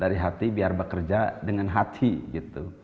dari hati biar bekerja dengan hati gitu